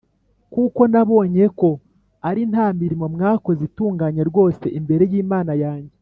kuko nabonye ko ari nta mirimo mwakoze itunganye rwose imbere y’Imana yanjye.